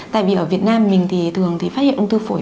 tại vì ở việt nam mình thì thường thì phát hiện ung thư phổi